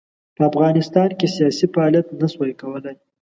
په افغانستان کې یې سیاسي فعالیت نه شوای کولای.